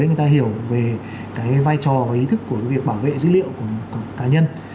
người ta hiểu về cái vai trò và ý thức của việc bảo vệ dữ liệu của cá nhân